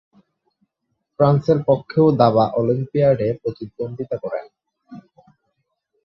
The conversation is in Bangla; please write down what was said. ফ্রান্সের পক্ষেও দাবা অলিম্পিয়াডে প্রতিদ্বন্দ্বিতা করেন।